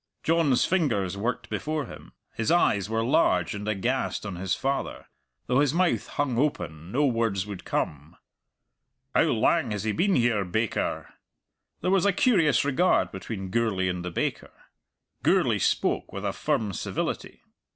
John's fingers worked before him; his eyes were large and aghast on his father; though his mouth hung open no words would come. "How lang has he been here, baker?" There was a curious regard between Gourlay and the baker. Gourlay spoke with a firm civility.